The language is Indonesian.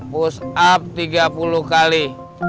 push up tiga puluh kali